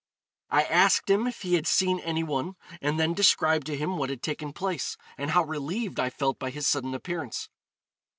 I asked him if he had seen any one, and then described to him what had taken place, and how relieved I felt by his sudden appearance.